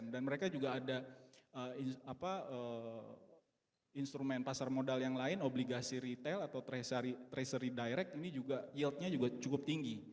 dan mereka juga ada instrument pasar modal yang lain obligasi retail atau treasury direct ini juga yieldnya juga cukup tinggi